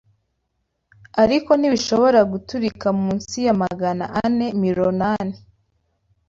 ariko ntibishobora guturika munsi ya magana ane mironani